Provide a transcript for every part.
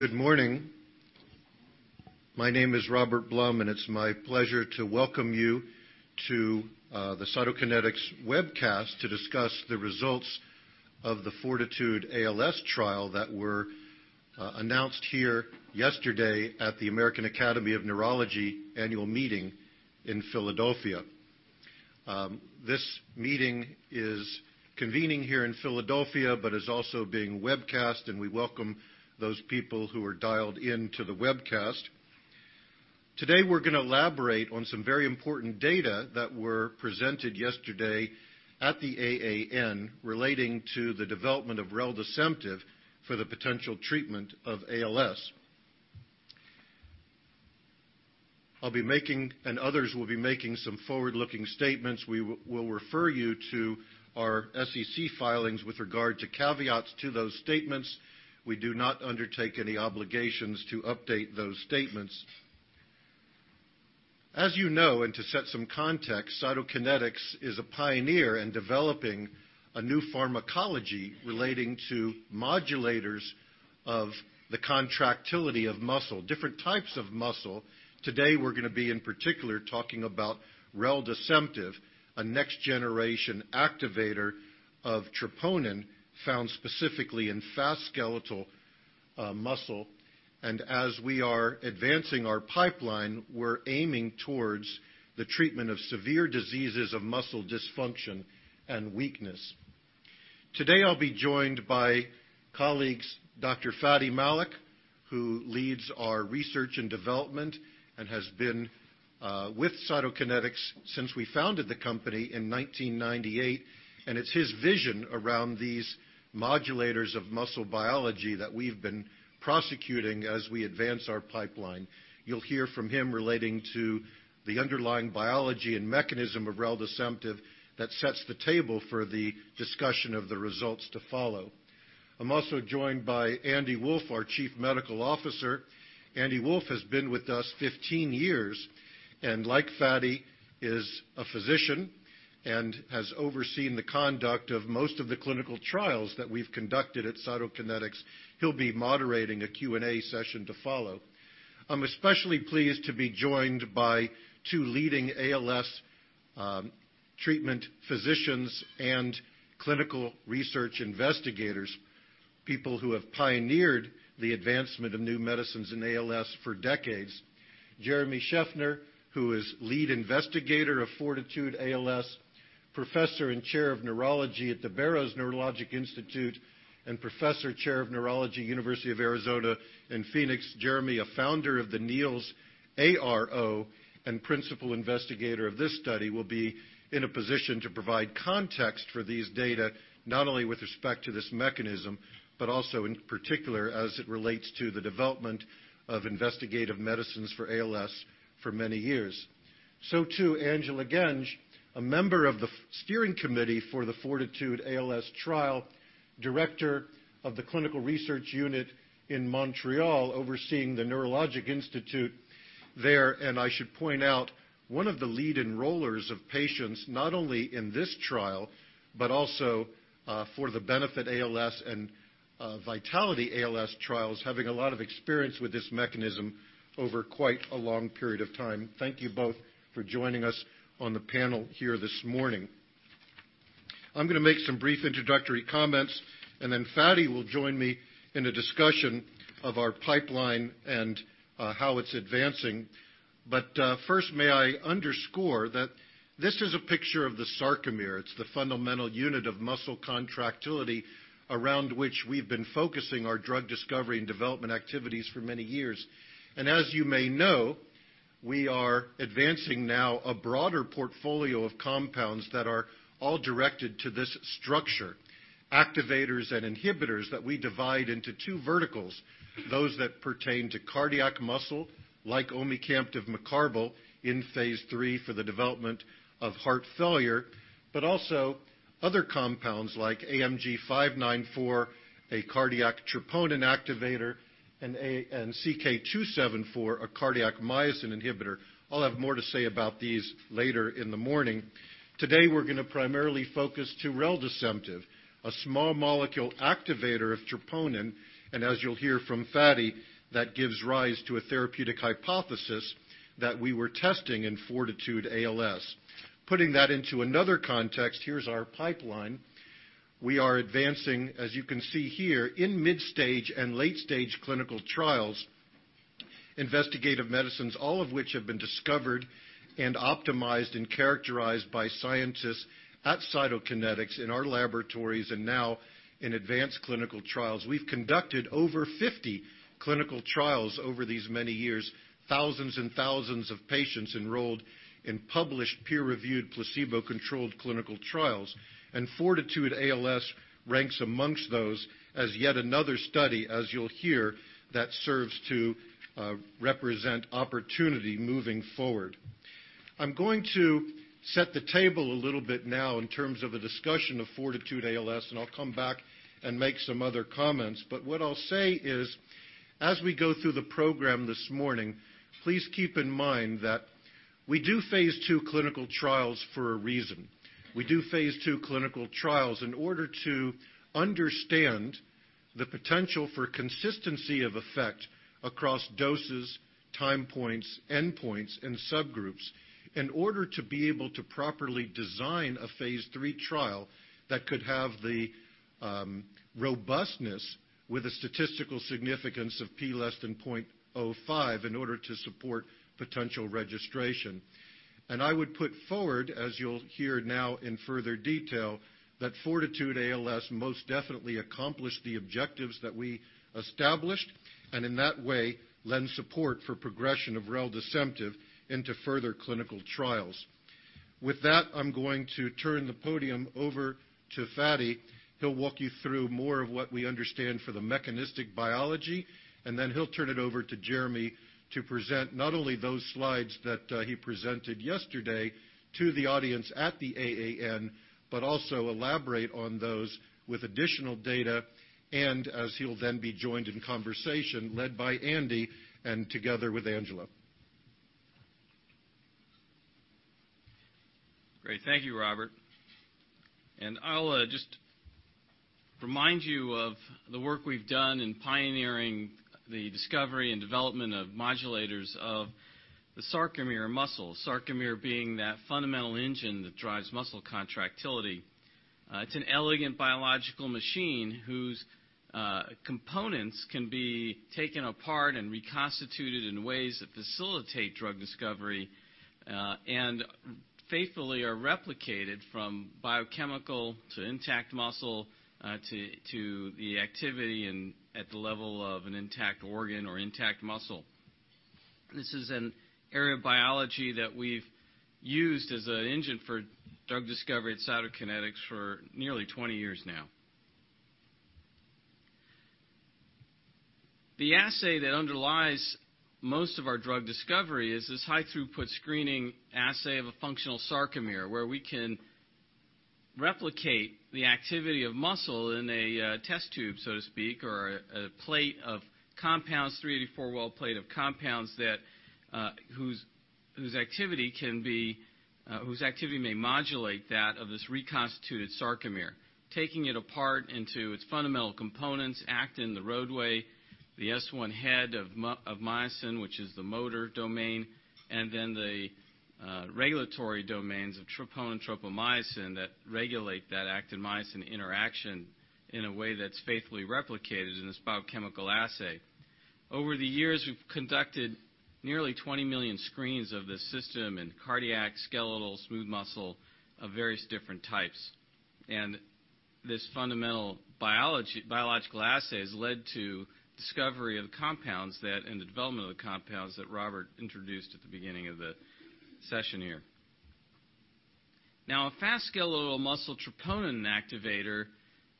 Good morning. My name is Robert Blum. It's my pleasure to welcome you to the Cytokinetics webcast to discuss the results of the FORTITUDE-ALS trial that were announced here yesterday at the American Academy of Neurology Annual Meeting in Philadelphia. This meeting is convening here in Philadelphia but is also being webcast. We welcome those people who are dialed into the webcast. Today, we're going to elaborate on some very important data that were presented yesterday at the AAN relating to the development of reldesemtiv for the potential treatment of ALS. I'll be making, others will be making, some forward-looking statements. We will refer you to our SEC filings with regard to caveats to those statements. We do not undertake any obligations to update those statements. As you know, to set some context, Cytokinetics is a pioneer in developing a new pharmacology relating to modulators of the contractility of muscle, different types of muscle. Today, we're going to be, in particular, talking about reldesemtiv, a next-generation activator of troponin found specifically in fast skeletal muscle. As we are advancing our pipeline, we're aiming towards the treatment of severe diseases of muscle dysfunction and weakness. Today, I'll be joined by colleagues Dr. Fady Malik, who leads our research and development and has been with Cytokinetics since we founded the company in 1998. It's his vision around these modulators of muscle biology that we've been prosecuting as we advance our pipeline. You'll hear from him relating to the underlying biology and mechanism of reldesemtiv that sets the table for the discussion of the results to follow. I'm also joined by Andy Wolff, our Chief Medical Officer. Andy Wolff has been with us 15 years. Like Fady, is a physician and has overseen the conduct of most of the clinical trials that we've conducted at Cytokinetics. He'll be moderating a Q&A session to follow. I'm especially pleased to be joined by two leading ALS treatment physicians and clinical research investigators, people who have pioneered the advancement of new medicines in ALS for decades. Jeremy Shefner, who is lead investigator of FORTITUDE-ALS, Professor and Chair of Neurology at the Barrow Neurological Institute, Professor, Chair of Neurology, University of Arizona in Phoenix. Jeremy, a founder of the NEALS Consortium and Principal Investigator of this study, will be in a position to provide context for these data, not only with respect to this mechanism, but also in particular as it relates to the development of investigative medicines for ALS for many years. Angela Genge, a member of the steering committee for the FORTITUDE-ALS trial, Director of the Clinical Research Unit in Montreal, overseeing the Neurological Institute there. I should point out, one of the lead enrollers of patients, not only in this trial, but also for the BENEFIT-ALS and VITALITY-ALS trials, having a lot of experience with this mechanism over quite a long period of time. Thank you both for joining us on the panel here this morning. I'm going to make some brief introductory comments, Fady will join me in a discussion of our pipeline and how it's advancing. First, may I underscore that this is a picture of the sarcomere. It's the fundamental unit of muscle contractility around which we've been focusing our drug discovery and development activities for many years. As you may know, we are advancing now a broader portfolio of compounds that are all directed to this structure. Activators and inhibitors that we divide into two verticals, those that pertain to cardiac muscle, like omecamtiv mecarbil in phase III for the development of heart failure. Also other compounds like AMG 594, a cardiac troponin activator, and CK-274, a cardiac myosin inhibitor. I'll have more to say about these later in the morning. We're going to primarily focus to reldesemtiv, a small molecule activator of troponin, as you'll hear from Fady, that gives rise to a therapeutic hypothesis that we were testing in FORTITUDE-ALS. Putting that into another context, here's our pipeline. We are advancing, as you can see here, in mid-stage and late-stage clinical trials, investigative medicines, all of which have been discovered and optimized and characterized by scientists at Cytokinetics in our laboratories and now in advanced clinical trials. We've conducted over 50 clinical trials over these many years. Thousands and thousands of patients enrolled in published, peer-reviewed, placebo-controlled clinical trials. FORTITUDE-ALS ranks amongst those as yet another study, as you'll hear, that serves to represent opportunity moving forward. I'm going to set the table a little bit now in terms of a discussion of FORTITUDE-ALS, I'll come back and make some other comments. What I'll say is, as we go through the program this morning, please keep in mind that we do phase II clinical trials for a reason. We do phase II clinical trials in order to understand the potential for consistency of effect across doses, time points, end points, and subgroups in order to be able to properly design a phase III trial that could have the robustness with a statistical significance of P less than 0.05 in order to support potential registration. I would put forward, as you'll hear now in further detail, that FORTITUDE-ALS most definitely accomplished the objectives that we established, in that way, lend support for progression of reldesemtiv into further clinical trials. I'm going to turn the podium over to Fady. He'll walk you through more of what we understand for the mechanistic biology, he'll turn it over to Jeremy to present not only those slides that he presented yesterday to the audience at the AAN, but also elaborate on those with additional data, he'll be joined in conversation led by Andy and together with Angela. Thank you, Robert. I'll just remind you of the work we've done in pioneering the discovery and development of modulators of the sarcomere muscle, sarcomere being that fundamental engine that drives muscle contractility. It's an elegant biological machine whose components can be taken apart and reconstituted in ways that facilitate drug discovery, and faithfully are replicated from biochemical to intact muscle, to the activity at the level of an intact organ or intact muscle. This is an area of biology that we've used as an engine for drug discovery at Cytokinetics for nearly 20 years now. The assay that underlies most of our drug discovery is this high-throughput screening assay of a functional sarcomere, where we can replicate the activity of muscle in a test tube, so to speak, or a plate of compounds, 384-well plate of compounds whose activity may modulate that of this reconstituted sarcomere. Taking it apart into its fundamental components, actin the roadway, the S1 head of myosin, which is the motor domain, and then the regulatory domains of troponin and tropomyosin that regulate that actin-myosin interaction in a way that's faithfully replicated in this biochemical assay. Over the years, we've conducted nearly 20 million screens of this system in cardiac, skeletal, smooth muscle of various different types. This fundamental biological assay has led to discovery of compounds and the development of the compounds that Robert introduced at the beginning of the session here. A fast skeletal muscle troponin activator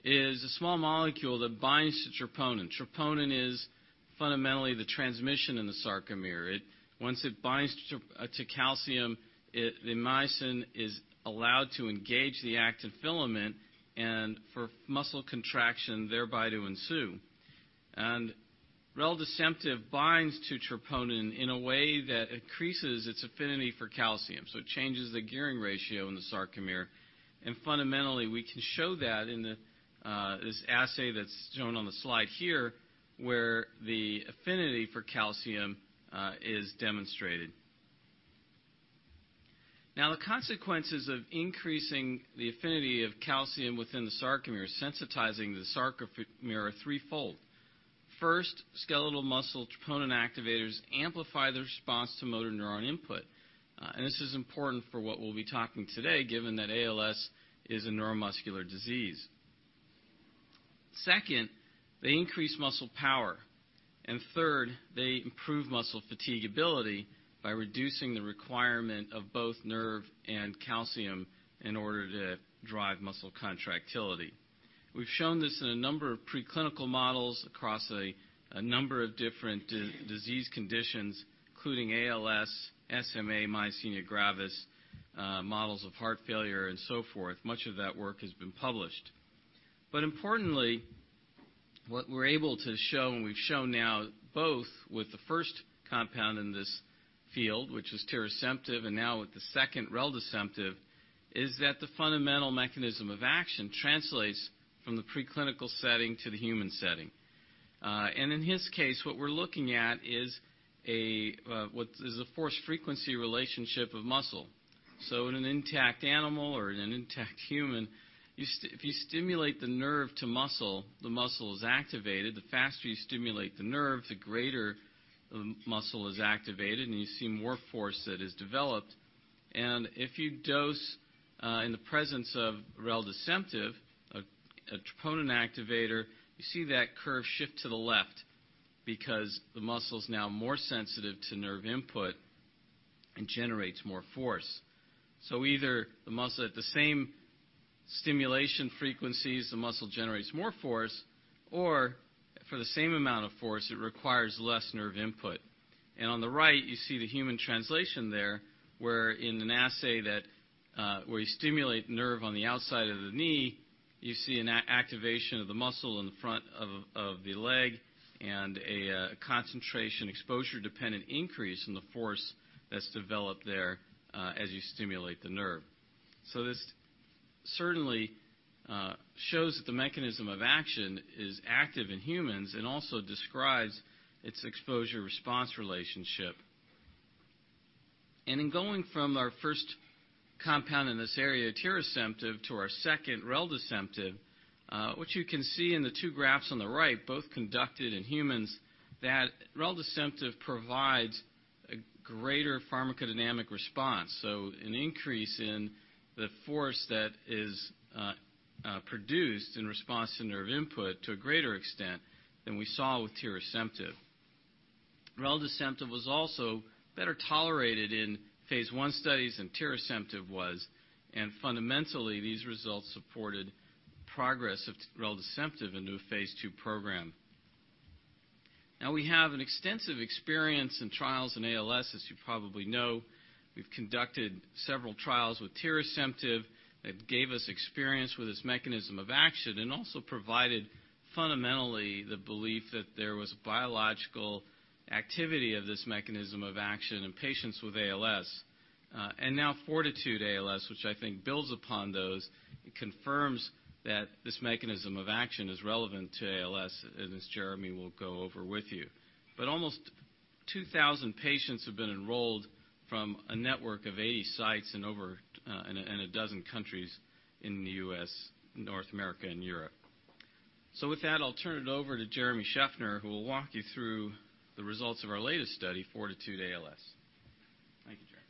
is a small molecule that binds to troponin. Troponin is fundamentally the transmission in the sarcomere. Once it binds to calcium, the myosin is allowed to engage the active filament and for muscle contraction thereby to ensue. Reldesemtiv binds to troponin in a way that increases its affinity for calcium. It changes the gearing ratio in the sarcomere. Fundamentally, we can show that in this assay that's shown on the slide here, where the affinity for calcium is demonstrated. The consequences of increasing the affinity of calcium within the sarcomere, sensitizing the sarcomere are threefold. First, skeletal muscle troponin activators amplify the response to motor neuron input. This is important for what we'll be talking today, given that ALS is a neuromuscular disease. Second, they increase muscle power. Third, they improve muscle fatigability by reducing the requirement of both nerve and calcium in order to drive muscle contractility. We've shown this in a number of preclinical models across a number of different disease conditions, including ALS, SMA, myasthenia gravis, models of heart failure, and so forth. Much of that work has been published. Importantly, what we're able to show and we've shown now both with the first compound in this field, which is tirasemtiv, and now with the second reldesemtiv, is that the fundamental mechanism of action translates from the preclinical setting to the human setting. In this case, what we're looking at is a force-frequency relationship of muscle. In an intact animal or in an intact human, if you stimulate the nerve to muscle, the muscle is activated. The faster you stimulate the nerve, the greater the muscle is activated, and you see more force that is developed. If you dose in the presence of reldesemtiv, a troponin activator, you see that curve shift to the left because the muscle is now more sensitive to nerve input and generates more force. Either the muscle at the same stimulation frequencies, the muscle generates more force, or for the same amount of force, it requires less nerve input. On the right, you see the human translation there, where in an assay that where you stimulate the nerve on the outside of the knee, you see an activation of the muscle in the front of the leg and a concentration exposure-dependent increase in the force that's developed there as you stimulate the nerve. This certainly shows that the mechanism of action is active in humans and also describes its exposure-response relationship. In going from our first compound in this area, tirasemtiv, to our second reldesemtiv, what you can see in the two graphs on the right, both conducted in humans, that reldesemtiv provides a greater pharmacodynamic response. An increase in the force that is produced in response to nerve input to a greater extent than we saw with tirasemtiv. Reldesemtiv was also better tolerated in phase I studies than tirasemtiv was, fundamentally, these results supported progress of reldesemtiv into a phase II program. Now we have an extensive experience in trials in ALS, as you probably know. We've conducted several trials with tirasemtiv that gave us experience with its mechanism of action and also provided fundamentally the belief that there was biological activity of this mechanism of action in patients with ALS. Now FORTITUDE-ALS, which I think builds upon those, confirms that this mechanism of action is relevant to ALS, as Jeremy will go over with you. Almost 2,000 patients have been enrolled from a network of 80 sites in 12 countries in the U.S., North America, and Europe. With that, I'll turn it over to Jeremy Shefner, who will walk you through the results of our latest study, FORTITUDE-ALS. Thank you, Jeremy.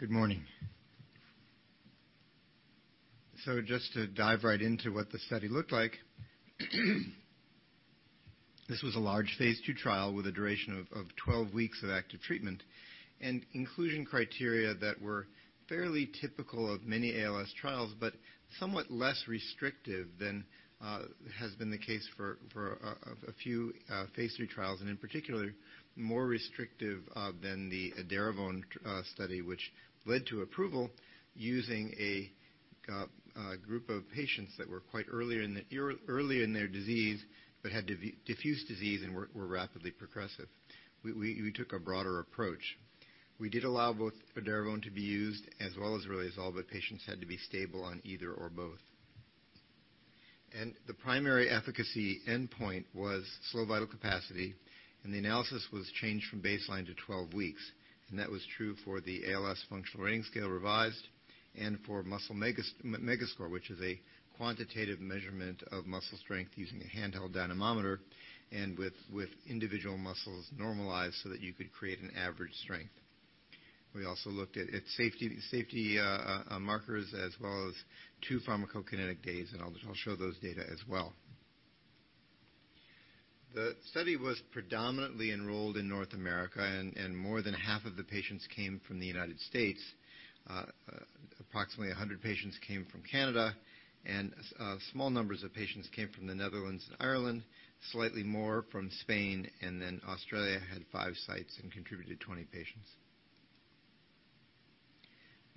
Good morning. Just to dive right into what the study looked like, this was a large phase II trial with a duration of 12 weeks of active treatment and inclusion criteria that were fairly typical of many ALS trials, but somewhat less restrictive than has been the case for a few phase III trials, and in particular, more restrictive than the edaravone study, which led to approval using a group of patients that were quite early in their disease but had diffuse disease and were rapidly progressive. We took a broader approach. We did allow both edaravone to be used as well as riluzole, but patients had to be stable on either or both. The primary efficacy endpoint was slow vital capacity, and the analysis was changed from baseline to 12 weeks. That was true for the ALS Functional Rating Scale Revised and for Muscle Strength Mega-Score, which is a quantitative measurement of muscle strength using a handheld dynamometer and with individual muscles normalized so that you could create an average strength. We also looked at safety markers as well as two pharmacokinetic days, I'll show those data as well. The study was predominantly enrolled in North America, More than half of the patients came from the United States. Approximately 100 patients came from Canada, Small numbers of patients came from the Netherlands and Ireland, slightly more from Spain, and then Australia had five sites and contributed 20 patients.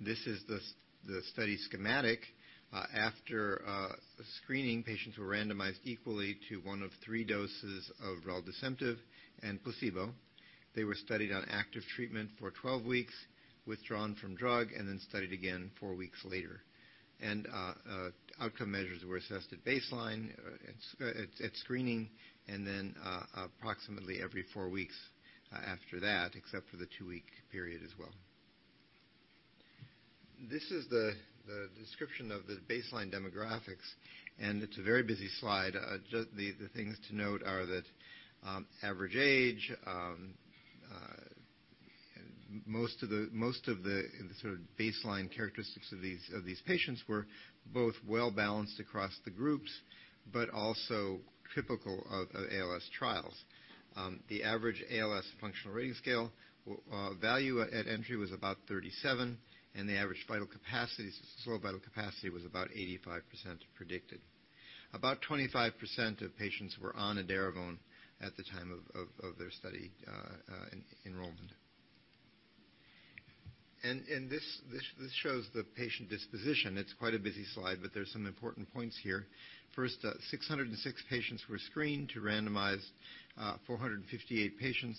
This is the study schematic. After screening, patients were randomized equally to one of three doses of reldesemtiv and placebo. They were studied on active treatment for 12 weeks, withdrawn from drug, Then studied again four weeks later. Outcome measures were assessed at baseline, at screening, then approximately every four weeks after that, except for the two-week period as well. This is the description of the baseline demographics, it's a very busy slide. The things to note are that average age, most of the baseline characteristics of these patients were both well-balanced across the groups, but also typical of ALS trials. The average ALS Functional Rating Scale value at entry was about 37, and the average slow vital capacity was about 85% predicted. About 25% of patients were on edaravone at the time of their study enrollment. This shows the patient disposition. It's quite a busy slide, but there's some important points here. First, 606 patients were screened to randomize 458 patients.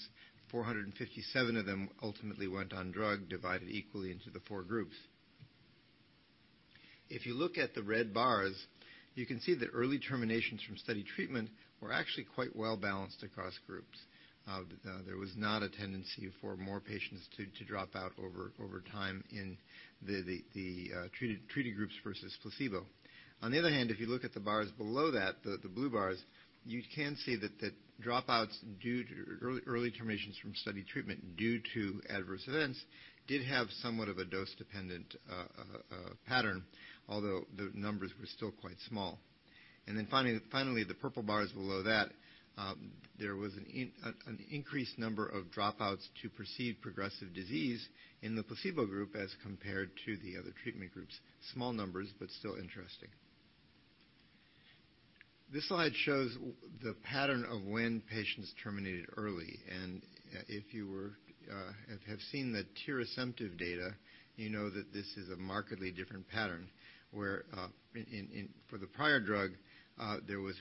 457 of them ultimately went on drug, divided equally into the four groups. If you look at the red bars, you can see that early terminations from study treatment were actually quite well-balanced across groups. There was not a tendency for more patients to drop out over time in the treated groups versus placebo. On the other hand, if you look at the bars below that, the blue bars, you can see that dropouts, early terminations from study treatment due to adverse events did have somewhat of a dose-dependent pattern, although the numbers were still quite small. Finally, the purple bars below that, there was an increased number of dropouts to perceived progressive disease in the placebo group as compared to the other treatment groups. Small numbers, but still interesting. This slide shows the pattern of when patients terminated early. If you have seen the tirasemtiv data, you know that this is a markedly different pattern, where for the prior drug, there was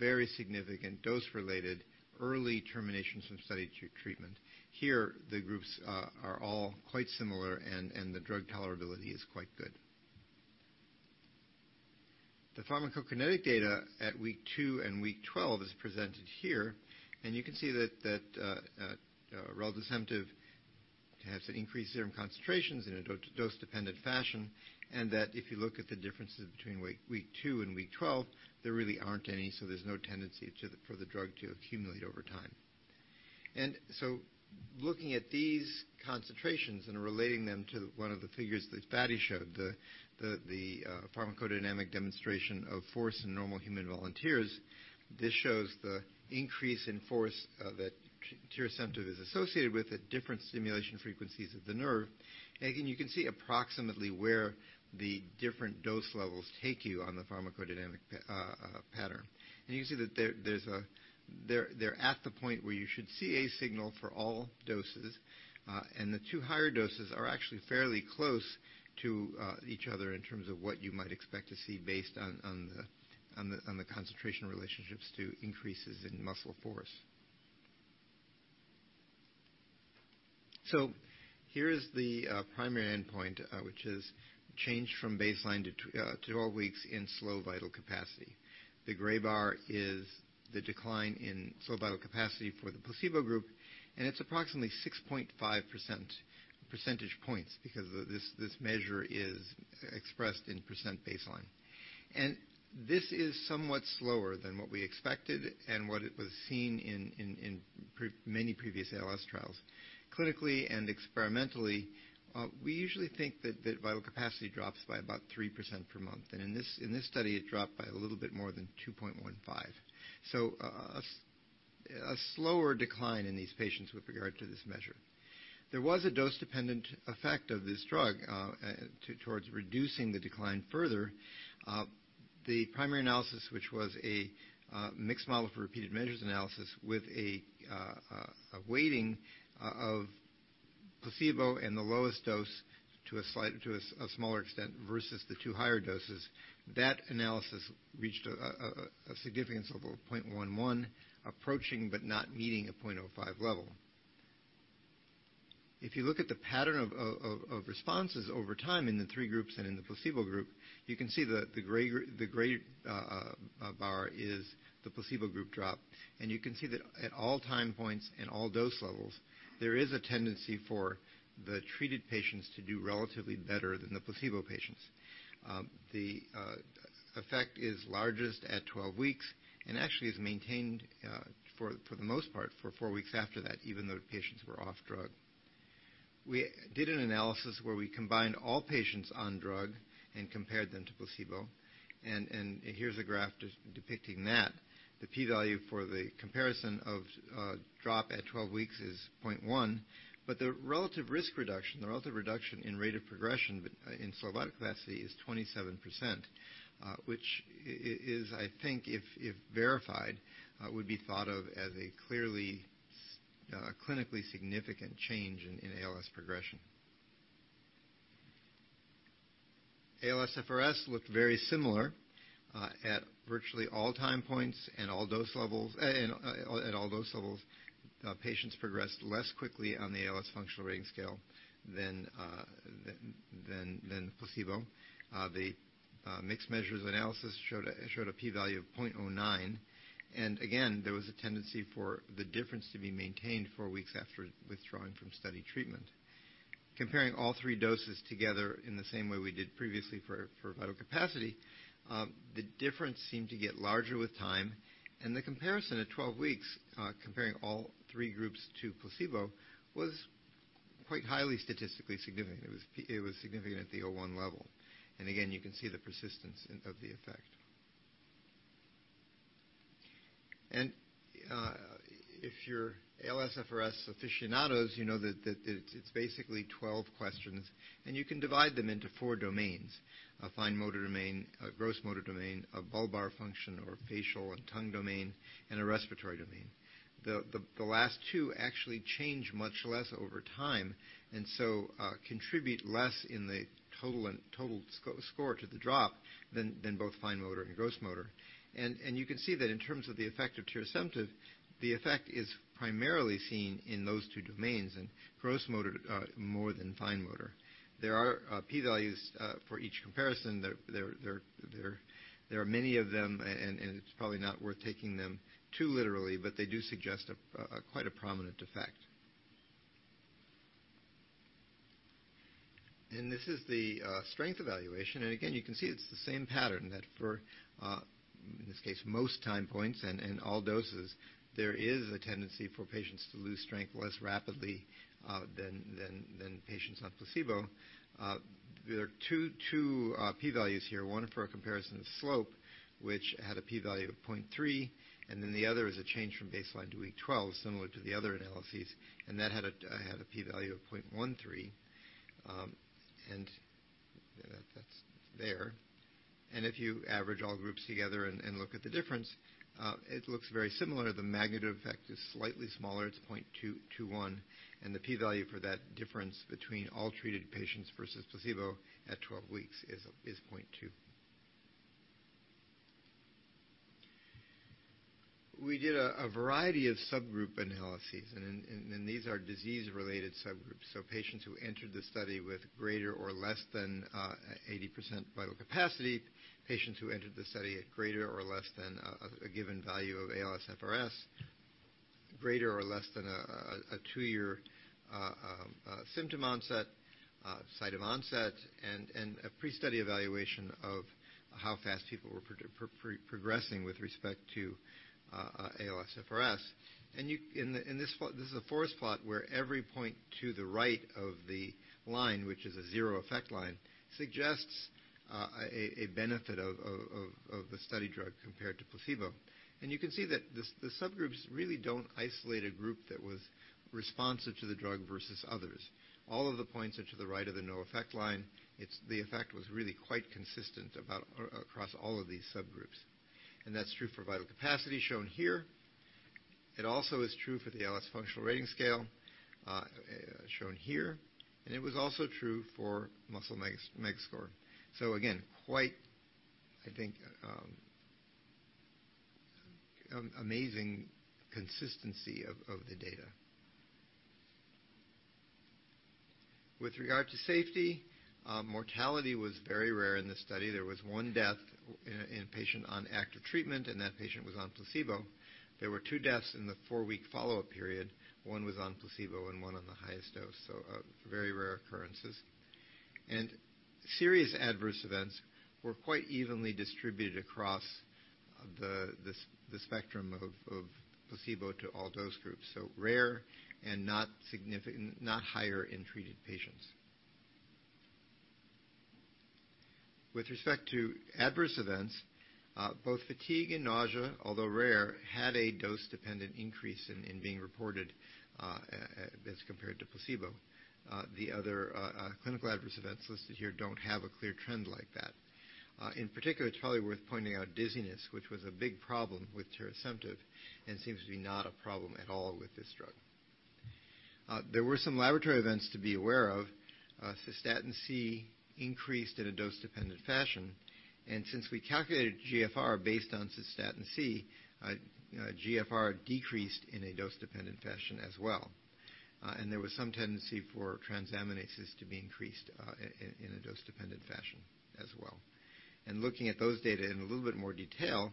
very significant dose-related early terminations from study treatment. Here, the groups are all quite similar, the drug tolerability is quite good. The pharmacokinetic data at week 2 and week 12 is presented here, You can see that reldesemtiv has an increased serum concentrations in a dose-dependent fashion, That if you look at the differences between week 2 and week 12, there really aren't any, There's no tendency for the drug to accumulate over time. Looking at these concentrations and relating them to one of the figures that Fady showed, the pharmacodynamic demonstration of force in normal human volunteers. This shows the increase in force that tirasemtiv is associated with at different stimulation frequencies of the nerve. You can see approximately where the different dose levels take you on the pharmacodynamic pattern. You can see that they're at the point where you should see a signal for all doses. The two higher doses are actually fairly close to each other in terms of what you might expect to see based on the concentration relationships to increases in muscle force. Here is the primary endpoint, which is changed from baseline to 12 weeks in slow vital capacity. The gray bar is the decline in slow vital capacity for the placebo group, and it's approximately 6.5 percentage points because this measure is expressed in % baseline. This is somewhat slower than what we expected and what it was seen in many previous ALS trials. Clinically and experimentally, we usually think that vital capacity drops by about 3% per month. In this study, it dropped by a little bit more than 2.15. A slower decline in these patients with regard to this measure. There was a dose-dependent effect of this drug towards reducing the decline further. The primary analysis, which was a mixed model for repeated measures analysis with a weighting of placebo and the lowest dose to a smaller extent versus the two higher doses. That analysis reached a significance level of 0.11, approaching but not meeting a 0.05 level. If you look at the pattern of responses over time in the three groups and in the placebo group, you can see the gray bar is the placebo group drop, and you can see that at all time points and all dose levels, there is a tendency for the treated patients to do relatively better than the placebo patients. The effect is largest at 12 weeks and actually is maintained, for the most part, for four weeks after that, even though patients were off drug. We did an analysis where we combined all patients on drug and compared them to placebo. Here's a graph depicting that. The P value for the comparison of drop at 12 weeks is 0.1, but the relative risk reduction, the relative reduction in rate of progression in slow vital capacity is 27%, which is, I think, if verified, would be thought of as a clearly clinically significant change in ALS progression. ALSFRS looked very similar at virtually all time points and at all dose levels. Patients progressed less quickly on the ALS Functional Rating Scale than placebo. The mixed measures analysis showed a P value of 0.09. Again, there was a tendency for the difference to be maintained four weeks after withdrawing from study treatment. Comparing all three doses together in the same way we did previously for vital capacity, the difference seemed to get larger with time, and the comparison at 12 weeks, comparing all three groups to placebo, was quite highly statistically significant. It was significant at the 0.01 level. Again, you can see the persistence of the effect. If you're ALSFRS aficionados, you know that it's basically 12 questions, and you can divide them into four domains: a fine motor domain, a gross motor domain, a bulbar function or facial and tongue domain, and a respiratory domain. The last two actually change much less over time and so contribute less in the total score to the drop than both fine motor and gross motor. You can see that in terms of the effect of tirasemtiv, the effect is primarily seen in those two domains, in gross motor more than fine motor. There are P values for each comparison. There are many of them, and it's probably not worth taking them too literally, but they do suggest quite a prominent effect. This is the strength evaluation. Again, you can see it's the same pattern that for, in this case, most time points and all doses, there is a tendency for patients to lose strength less rapidly than patients on placebo. There are two P values here, one for a comparison of slope, which had a P value of 0.3, the other is a change from baseline to week 12, similar to the other analyses, and that had a P value of 0.13. That's there. If you average all groups together and look at the difference, it looks very similar. The magnitude effect is slightly smaller. It's 0.21, and the P value for that difference between all treated patients versus placebo at 12 weeks is 0.2. We did a variety of subgroup analyses, These are disease-related subgroups. Patients who entered the study with greater or less than 80% vital capacity, patients who entered the study at greater or less than a given value of ALSFRS, greater or less than a two-year symptom onset. Site of onset and a pre-study evaluation of how fast people were progressing with respect to ALSFRS. This is a forest plot where every point to the right of the line, which is a zero effect line, suggests a benefit of the study drug compared to placebo. You can see that the subgroups really don't isolate a group that was responsive to the drug versus others. All of the points are to the right of the no effect line. The effect was really quite consistent about across all of these subgroups. That's true for vital capacity shown here. It also is true for the ALS Functional Rating Scale shown here, It was also true for Muscle Strength Mega-Score. Again, quite, I think, amazing consistency of the data. With regard to safety, mortality was very rare in this study. There was one death in a patient on active treatment, and that patient was on placebo. There were two deaths in the four-week follow-up period. One was on placebo and one on the highest dose. Very rare occurrences. Serious adverse events were quite evenly distributed across the spectrum of placebo to all dose groups. Rare and not significant, not higher in treated patients. With respect to adverse events, both fatigue and nausea, although rare, had a dose-dependent increase in being reported as compared to placebo. The other clinical adverse events listed here don't have a clear trend like that. In particular, it's probably worth pointing out dizziness, which was a big problem with tirasemtiv, seems to be not a problem at all with this drug. There were some laboratory events to be aware of. Cystatin C increased in a dose-dependent fashion, since we calculated GFR based on cystatin C, GFR decreased in a dose-dependent fashion as well. There was some tendency for transaminases to be increased in a dose-dependent fashion as well. Looking at those data in a little bit more detail,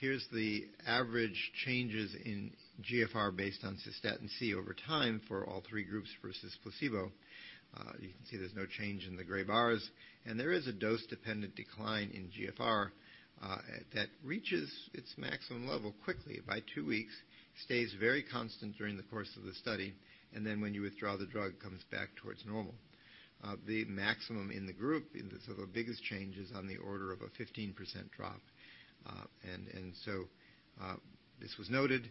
here's the average changes in GFR based on cystatin C over time for all three groups versus placebo. You can see there's no change in the gray bars, there is a dose-dependent decline in GFR that reaches its maximum level quickly by two weeks, stays very constant during the course of the study, then when you withdraw the drug, comes back towards normal. The maximum in the group, the sort of biggest change is on the order of a 15% drop. This was noted.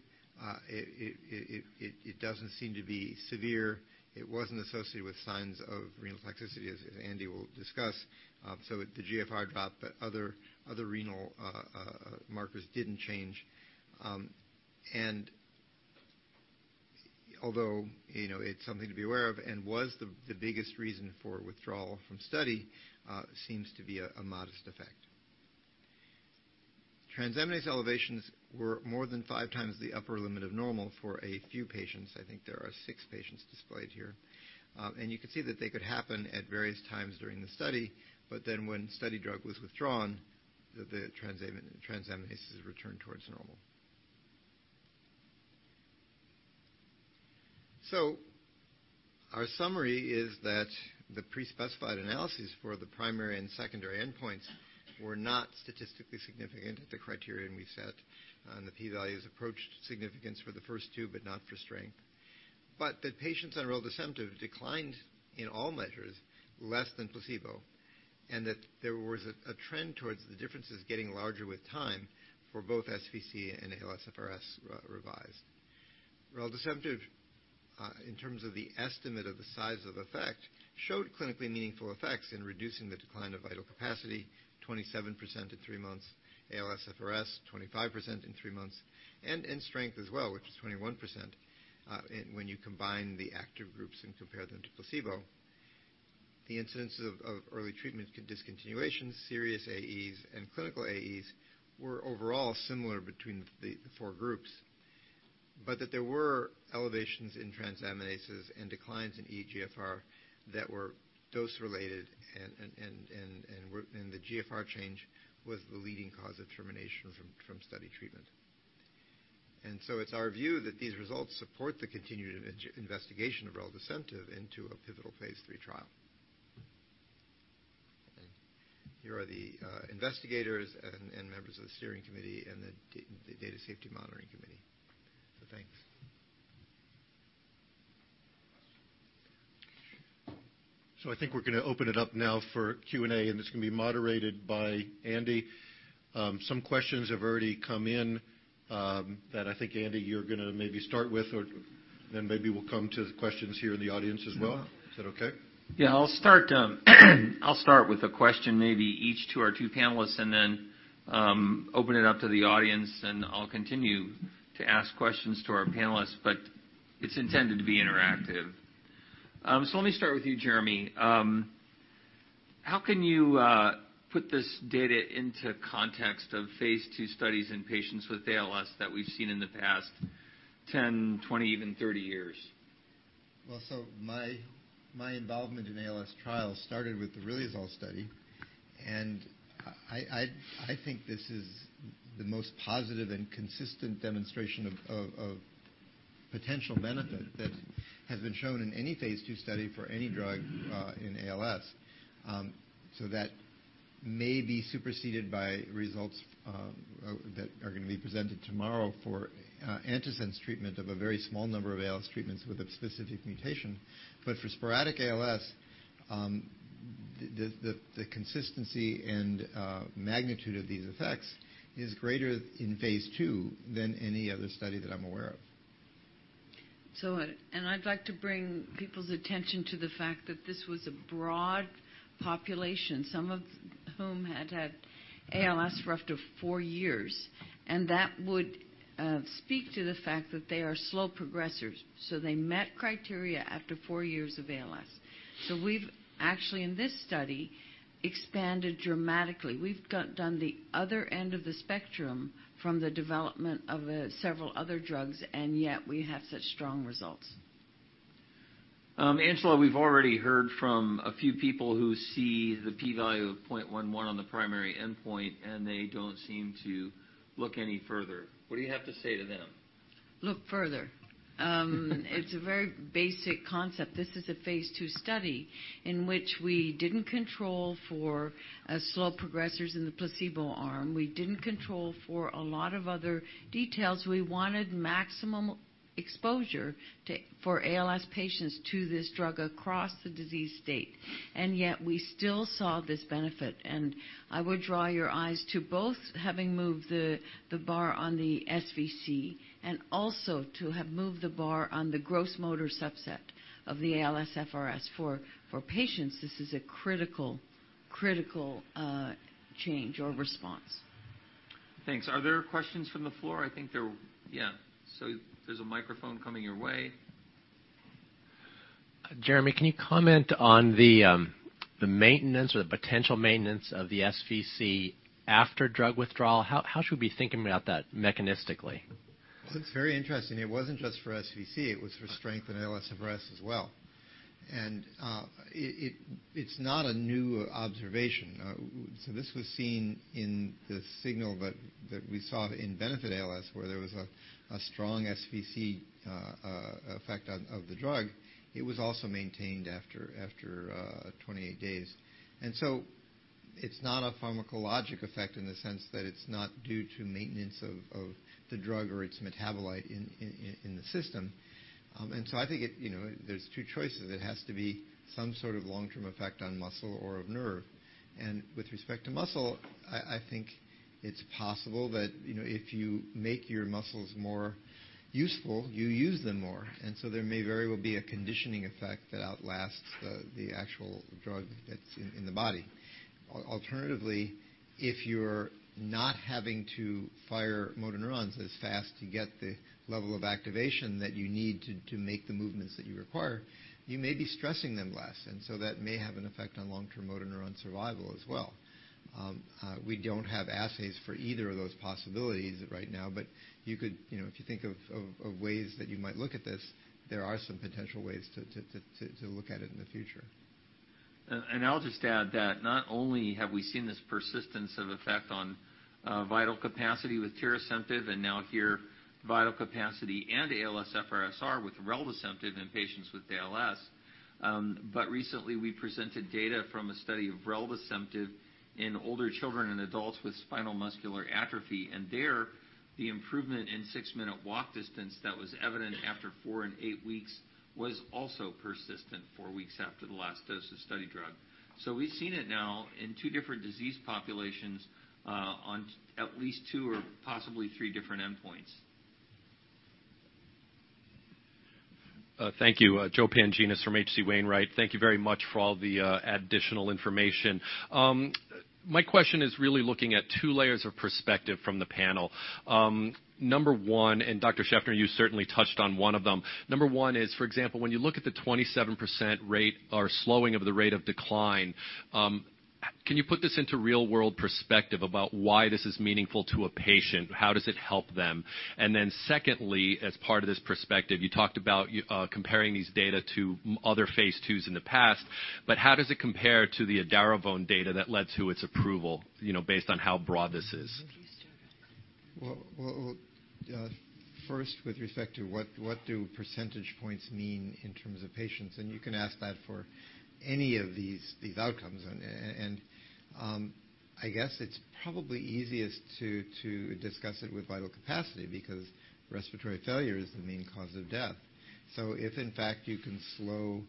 It doesn't seem to be severe. It wasn't associated with signs of renal toxicity, as Andy will discuss. The GFR dropped, but other renal markers didn't change. Although it's something to be aware of and was the biggest reason for withdrawal from study seems to be a modest effect. Transaminase elevations were more than five times the upper limit of normal for a few patients. I think there are six patients displayed here. You could see that they could happen at various times during the study, then when study drug was withdrawn, the transaminases returned towards normal. Our summary is that the pre-specified analysis for the primary and secondary endpoints were not statistically significant at the criterion we set, the p-values approached significance for the first two, but not for strength. That patients on reldesemtiv declined in all measures less than placebo, that there was a trend towards the differences getting larger with time for both SVC and ALSFRS revised. Reldesemtiv, in terms of the estimate of the size of effect, showed clinically meaningful effects in reducing the decline of vital capacity, 27% at three months, ALSFRS 25% in three months, and in strength as well, which is 21%. When you combine the active groups and compare them to placebo. The incidence of early treatment discontinuations, serious AEs, and clinical AEs were overall similar between the four groups. That there were elevations in transaminases and declines in eGFR that were dose-related, the GFR change was the leading cause of termination from study treatment. It's our view that these results support the continued investigation of reldesemtiv into a pivotal Phase III trial. Here are the investigators and members of the steering committee and the data safety monitoring committee. Thanks. I think we're going to open it up now for Q&A, and it's going to be moderated by Andy. Some questions have already come in that I think, Andy, you're going to maybe start with, maybe we'll come to the questions here in the audience as well. Is that okay? I'll start with a question maybe each to our two panelists open it up to the audience, I'll continue to ask questions to our panelists, it's intended to be interactive. Let me start with you, Jeremy. How can you put this data into context of phase II studies in patients with ALS that we've seen in the past 10, 20, even 30 years? My involvement in ALS trials started with the riluzole study, I think this is the most positive and consistent demonstration of potential benefit that has been shown in any phase II study for any drug in ALS. That may be superseded by results that are going to be presented tomorrow for antisense treatment of a very small number of ALS treatments with a specific mutation. For sporadic ALS, the consistency and magnitude of these effects is greater in phase II than any other study that I'm aware of. I'd like to bring people's attention to the fact that this was a broad population, some of whom had had ALS for up to four years, that would speak to the fact that they are slow progressers. We've actually, in this study, expanded dramatically. We've done the other end of the spectrum from the development of several other drugs, yet we have such strong results. Angela, we've already heard from a few people who see the p value of 0.11 on the primary endpoint, and they don't seem to look any further. What do you have to say to them? Look further. It's a very basic concept. This is a phase II study in which we didn't control for slow progressers in the placebo arm. We didn't control for a lot of other details. We wanted maximum exposure for ALS patients to this drug across the disease state, and yet we still saw this benefit. I would draw your eyes to both having moved the bar on the SVC and also to have moved the bar on the gross motor subset of the ALSFRS. For patients, this is a critical change or response. Thanks. Are there questions from the floor? I think yeah. There's a microphone coming your way. Jeremy, can you comment on the maintenance or the potential maintenance of the SVC after drug withdrawal? How should we be thinking about that mechanistically? It's very interesting. It wasn't just for SVC, it was for strength and ALSFRS as well. It's not a new observation. This was seen in the signal that we saw in BENEFIT-ALS, where there was a strong SVC effect of the drug. It was also maintained after 28 days. It's not a pharmacologic effect in the sense that it's not due to maintenance of the drug or its metabolite in the system. I think there's 2 choices. It has to be some sort of long-term effect on muscle or of nerve. With respect to muscle, I think it's possible that if you make your muscles more useful, you use them more. There may very well be a conditioning effect that outlasts the actual drug that's in the body. Alternatively, if you're not having to fire motor neurons as fast to get the level of activation that you need to make the movements that you require, you may be stressing them less. That may have an effect on long-term motor neuron survival as well. We don't have assays for either of those possibilities right now, but if you think of ways that you might look at this, there are some potential ways to look at it in the future. I'll just add that not only have we seen this persistence of effect on vital capacity with tirasemtiv, and now here, vital capacity and ALSFRS-R with reldesemtiv in patients with ALS. Recently, we presented data from a study of reldesemtiv in older children and adults with spinal muscular atrophy. There, the improvement in six-minute walk distance that was evident after 4 and 8 weeks was also persistent 4 weeks after the last dose of study drug. We've seen it now in 2 different disease populations on at least 2 or possibly 3 different endpoints. Thank you. Joe Pantginis from H.C. Wainwright Thank you very much for all the additional information. My question is really looking at 2 layers of perspective from the panel. Number 1, Dr. Shefner, you certainly touched on 1 of them. Number 1 is, for example, when you look at the 27% rate or slowing of the rate of decline, can you put this into real-world perspective about why this is meaningful to a patient? How does it help them? Secondly, as part of this perspective, you talked about comparing these data to other phase IIs in the past, but how does it compare to the edaravone data that led to its approval based on how broad this is? Would you still go? First, with respect to what do percentage points mean in terms of patients, you can ask that for any of these outcomes. I guess it's probably easiest to discuss it with vital capacity because respiratory failure is the main cause of death. If, in fact, you can slow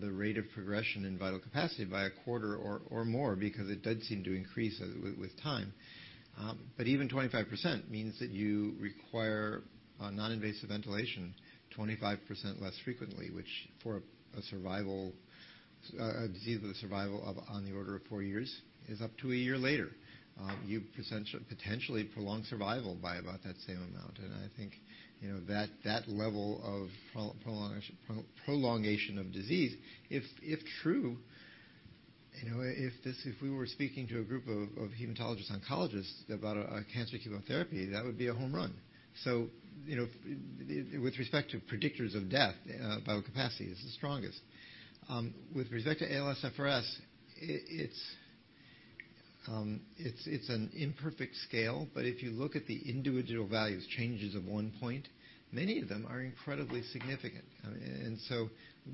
the rate of progression in vital capacity by a quarter or more, because it does seem to increase with time. Even 25% means that you require non-invasive ventilation 25% less frequently, which for a disease with a survival on the order of 4 years is up to a year later. You potentially prolong survival by about that same amount. I think that level of prolongation of disease, if true, if we were speaking to a group of hematologist-oncologists about a cancer chemotherapy, that would be a home run. With respect to predictors of death, vital capacity is the strongest. With respect to ALSFRS, it's an imperfect scale, but if you look at the individual values, changes of one point, many of them are incredibly significant.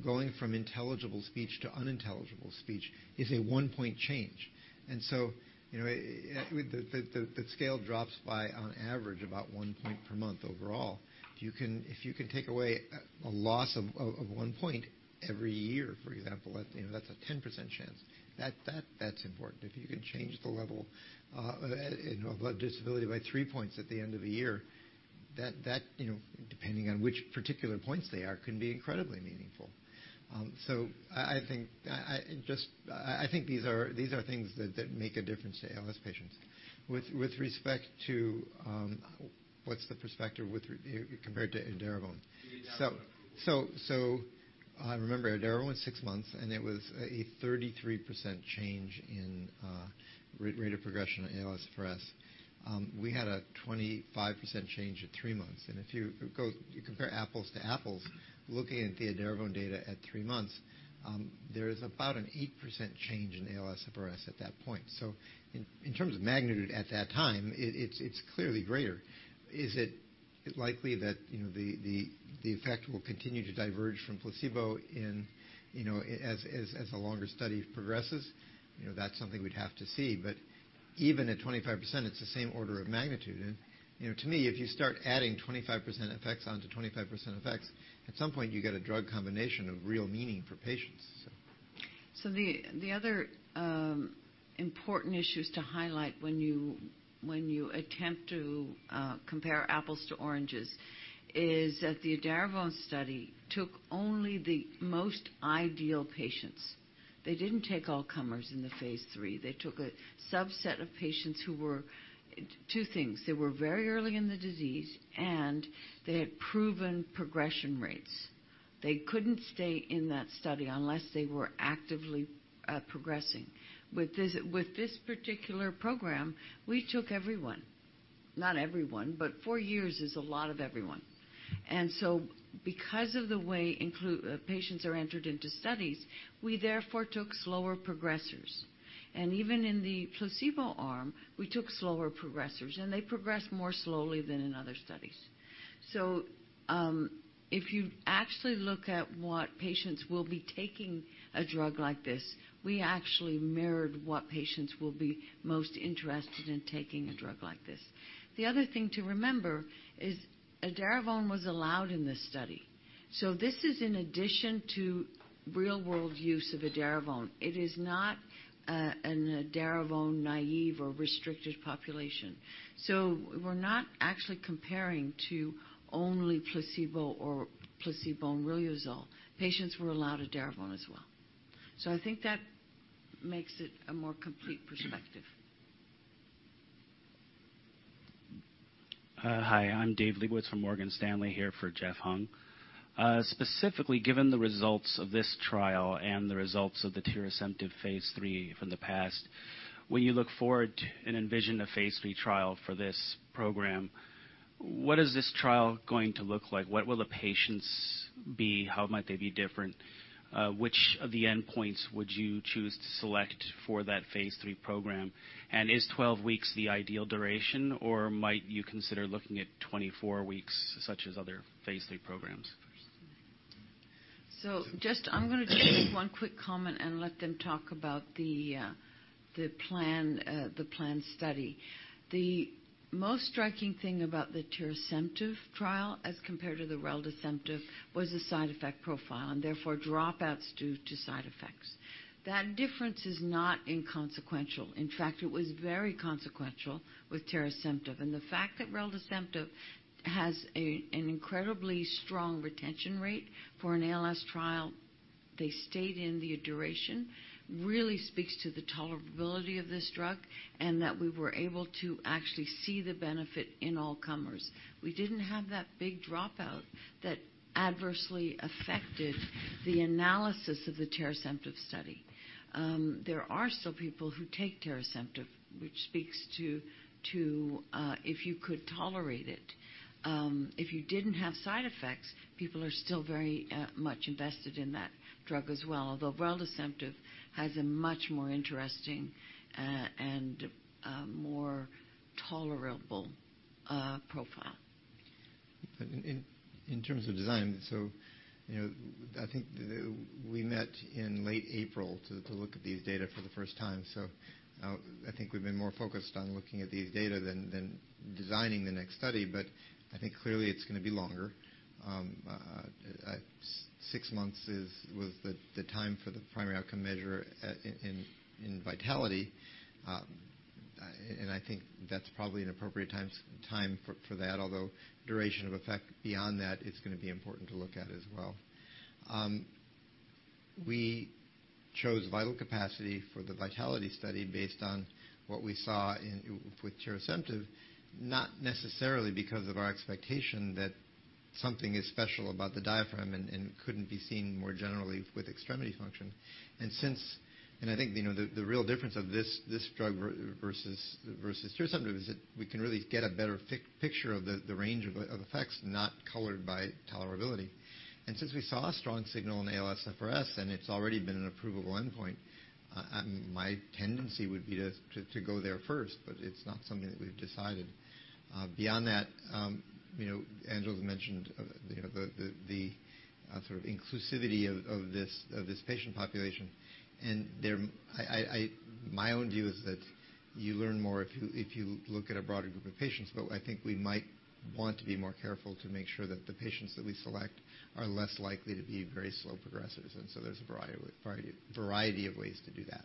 Going from intelligible speech to unintelligible speech is a one-point change. The scale drops by, on average, about one point per month overall. If you can take away a loss of one point every year, for example, that's a 10% chance. That's important. If you can change the level of disability by three points at the end of the year, that, depending on which particular points they are, can be incredibly meaningful. I think these are things that make a difference to ALS patients. With respect to what's the perspective compared to edaravone? The edaravone. Remember, edaravone was 6 months, and it was a 33% change in rate of progression in ALSFRS. We had a 25% change at 3 months. If you compare apples to apples, looking at the edaravone data at 3 months, there is about an 8% change in ALSFRS at that point. In terms of magnitude at that time, it's clearly greater. Is it likely that the effect will continue to diverge from placebo as the longer study progresses? That's something we'd have to see. Even at 25%, it's the same order of magnitude. To me, if you start adding 25% effects onto 25% effects, at some point you get a drug combination of real meaning for patients. The other important issues to highlight when you attempt to compare apples to oranges is that the edaravone study took only the most ideal patients. They didn't take all comers in the phase III. They took a subset of patients who were two things. They were very early in the disease, and they had proven progression rates. They couldn't stay in that study unless they were actively progressing. With this particular program, we took everyone. Not everyone, but 4 years is a lot of everyone. Because of the way patients are entered into studies, we therefore took slower progressors. Even in the placebo arm, we took slower progressors, and they progressed more slowly than in other studies. If you actually look at what patients will be taking a drug like this, we actually mirrored what patients will be most interested in taking a drug like this. The other thing to remember is edaravone was allowed in this study. This is in addition to real-world use of edaravone. It is not an edaravone naive or restricted population. We're not actually comparing to only placebo or placebo riluzole. Patients were allowed edaravone as well. I think that makes it a more complete perspective. Hi, I'm Dave Liebowitz from Morgan Stanley, here for Jeff Hung. Specifically, given the results of this trial and the results of the tirasemtiv phase III from the past, when you look forward and envision a phase III trial for this program, what is this trial going to look like? What will the patients be? How might they be different? Which of the endpoints would you choose to select for that phase III program? Is 12 weeks the ideal duration, or might you consider looking at 24 weeks, such as other phase III programs? Just I'm going to make one quick comment and let them talk about the planned study. The most striking thing about the tirasemtiv trial as compared to the reldesemtiv was the side effect profile and therefore dropouts due to side effects. That difference is not inconsequential. In fact, it was very consequential with tirasemtiv. The fact that reldesemtiv has an incredibly strong retention rate for an ALS trial, they stayed in the duration, really speaks to the tolerability of this drug and that we were able to actually see the benefit in all comers. We didn't have that big dropout that adversely affected the analysis of the tirasemtiv study. There are still people who take tirasemtiv, which speaks to if you could tolerate it. If you didn't have side effects, people are still very much invested in that drug as well. Although reldesemtiv has a much more interesting and more tolerable profile. In terms of design, I think we met in late April to look at these data for the first time. I think we've been more focused on looking at these data than designing the next study. I think clearly it's going to be longer. 6 months was the time for the primary outcome measure in Vitality. I think that's probably an appropriate time for that, although duration of effect beyond that, it's going to be important to look at as well. We chose vital capacity for the Vitality study based on what we saw with tirasemtiv, not necessarily because of our expectation that something is special about the diaphragm and couldn't be seen more generally with extremity function. I think, the real difference of this drug versus tirasemtiv is that we can really get a better picture of the range of effects, not colored by tolerability. Since we saw a strong signal in ALSFRS, and it's already been an approvable endpoint, my tendency would be to go there first, but it's not something that we've decided. Beyond that, Angela's mentioned the sort of inclusivity of this patient population, and my own view is that you learn more if you look at a broader group of patients. I think we might want to be more careful to make sure that the patients that we select are less likely to be very slow progressors. There's a variety of ways to do that.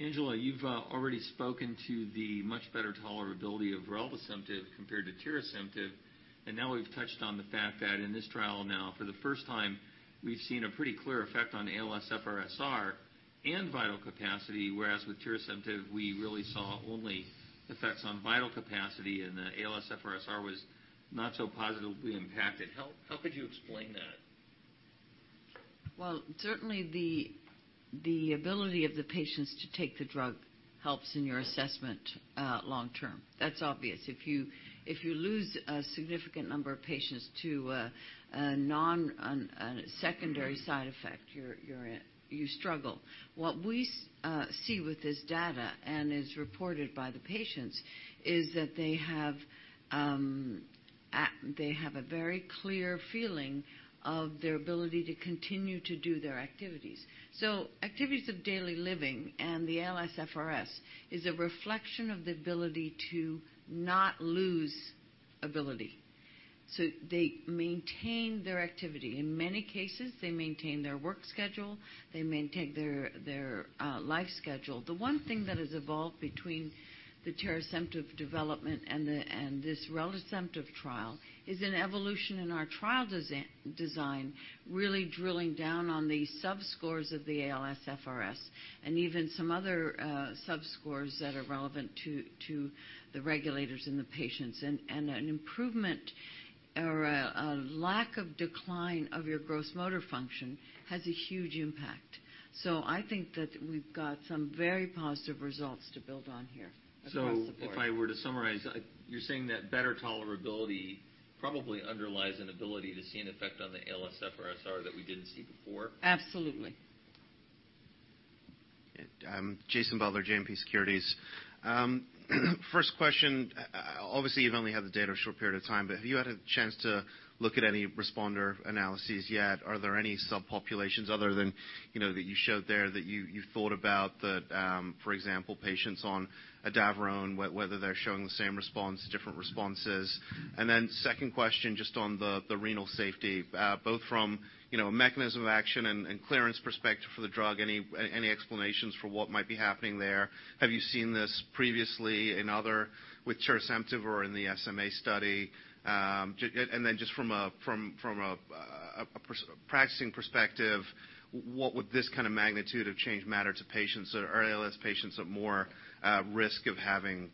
Angela, you've already spoken to the much better tolerability of reldesemtiv compared to tirasemtiv. Now we've touched on the fact that in this trial now, for the first time, we've seen a pretty clear effect on ALSFRS-R and vital capacity, whereas with tirasemtiv, we really saw only effects on vital capacity, and the ALSFRS-R was not so positively impacted. How could you explain that? Well, certainly the ability of the patients to take the drug helps in your assessment long term. That's obvious. If you lose a significant number of patients to a secondary side effect, you struggle. What we see with this data, and is reported by the patients, is that they have a very clear feeling of their ability to continue to do their activities. Activities of daily living and the ALSFRS is a reflection of the ability to not lose ability. They maintain their activity. In many cases, they maintain their work schedule, they maintain their life schedule. The one thing that has evolved between the tirasemtiv development and this reldesemtiv trial is an evolution in our trial design, really drilling down on the subscores of the ALSFRS and even some other subscores that are relevant to the regulators and the patients. An improvement or a lack of decline of your gross motor function has a huge impact. I think that we've got some very positive results to build on here across the board. If I were to summarize, you're saying that better tolerability probably underlies an ability to see an effect on the ALSFRS-R that we didn't see before? Absolutely. Jason Butler, JMP Securities. First question, obviously, you've only had the data a short period of time, but have you had a chance to look at any responder analyses yet? Are there any subpopulations other than that you showed there that you thought about, for example, patients on edaravone, whether they're showing the same response, different responses? Second question, just on the renal safety, both from a mechanism of action and clearance perspective for the drug, any explanations for what might be happening there? Have you seen this previously in other with tirasemtiv or in the SMA study? Just from a practicing perspective, what would this kind of magnitude of change matter to patients? Are ALS patients at more risk of having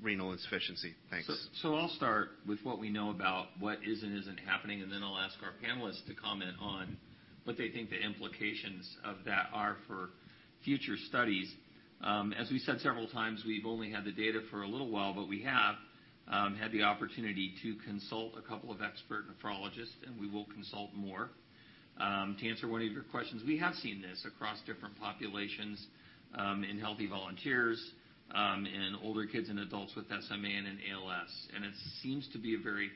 renal insufficiency? Thanks. I'll start with what we know about what is and isn't happening, and then I'll ask our panelists to comment on what they think the implications of that are for future studies. As we said several times, we've only had the data for a little while, but we have had the opportunity to consult a couple of expert nephrologists, and we will consult more. To answer one of your questions, we have seen this across different populations, in healthy volunteers, in older kids and adults with SMA and in ALS, and it seems to be a very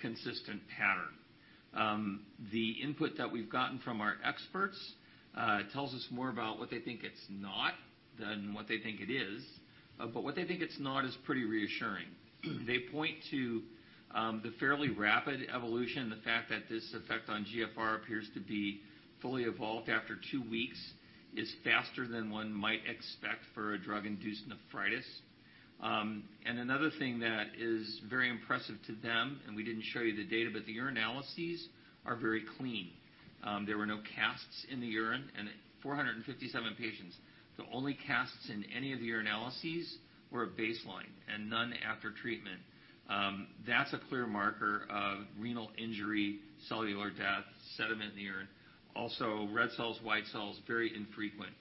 consistent pattern. The input that we've gotten from our experts tells us more about what they think it's not than what they think it is. What they think it's not is pretty reassuring. They point to the fairly rapid evolution, the fact that this effect on GFR appears to be fully evolved after two weeks is faster than one might expect for a drug-induced nephritis. Another thing that is very impressive to them, and we didn't show you the data, but the urinalyses are very clean. There were no casts in the urine. In 457 patients, the only casts in any of the urinalyses were at baseline and none after treatment. That's a clear marker of renal injury, cellular death, sediment in the urine, also red cells, white cells, very infrequent.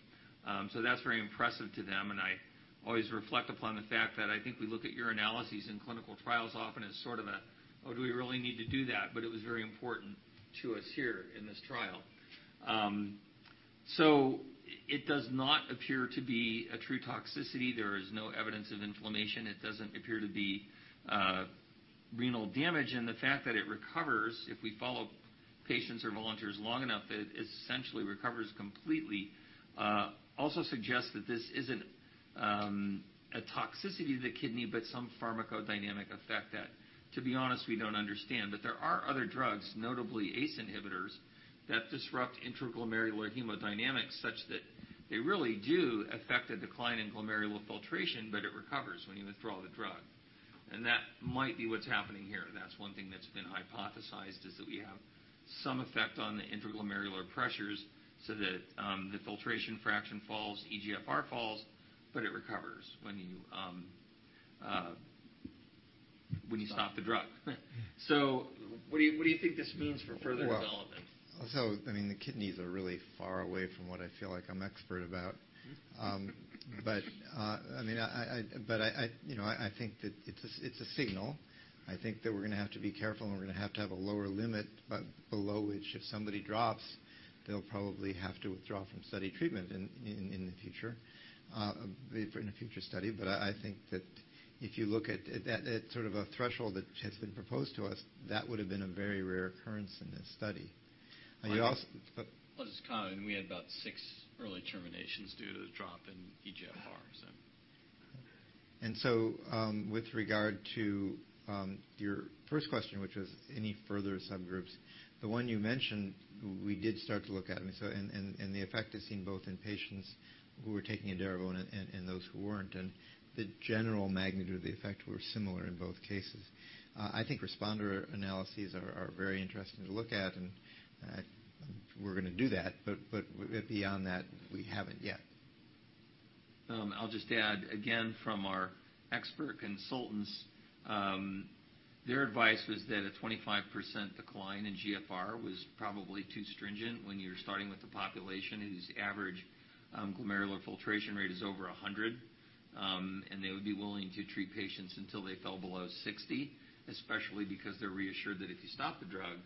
That's very impressive to them, and I always reflect upon the fact that I think we look at urinalyses in clinical trials often as sort of a, "Oh, do we really need to do that?" It was very important to us here in this trial. It does not appear to be a true toxicity. There is no evidence of inflammation. It doesn't appear to be renal damage. The fact that it recovers, if we follow patients or volunteers long enough, that it essentially recovers completely, also suggests that this isn't a toxicity to the kidney, but some pharmacodynamic effect that, to be honest, we don't understand. There are other drugs, notably ACE inhibitors, that disrupt intraglomerular hemodynamics, such that they really do affect a decline in glomerular filtration, but it recovers when you withdraw the drug. That might be what's happening here. That's one thing that's been hypothesized is that we have some effect on the intraglomerular pressures so that the filtration fraction falls, eGFR falls. It recovers when you stop the drug. What do you think this means for further development? The kidneys are really far away from what I feel like I'm expert about. I think that it's a signal. I think that we're going to have to be careful, and we're going to have to have a lower limit, below which if somebody drops, they'll probably have to withdraw from study treatment in the future study. I think that if you look at that sort of a threshold that has been proposed to us, that would've been a very rare occurrence in this study. Just comment, we had about six early terminations due to the drop in eGFRs. With regard to your first question, which was any further subgroups, the one you mentioned, we did start to look at them. The effect is seen both in patients who were taking edaravone and those who weren't, and the general magnitude of the effect were similar in both cases. I think responder analyses are very interesting to look at, and we're going to do that. Beyond that, we haven't yet. I'll just add again from our expert consultants, their advice was that a 25% decline in GFR was probably too stringent when you're starting with a population whose average glomerular filtration rate is over 100. They would be willing to treat patients until they fell below 60, especially because they're reassured that if you stop the drug,